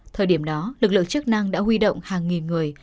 thời điểm đó lực lượng chức năng đã huy động hàng nghìn người